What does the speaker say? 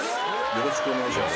よろしくお願いします